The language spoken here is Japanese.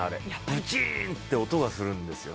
ブチン！って音がするんですよ。